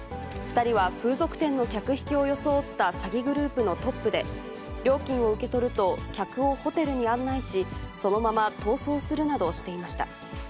２人は風俗店の客引きを装った詐欺グループのトップで、料金を受け取ると、客をホテルに案内し、そのまま逃走するなどしていました。